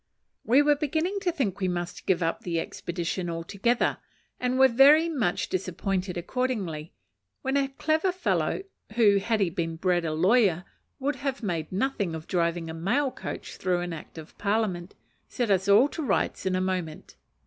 We were beginning to think we must give up the expedition altogether, and were very much disappointed accordingly, when a clever fellow who, had he been bred a lawyer, would have made nothing of driving a mail coach through an act of parliament set us all to rights in a moment.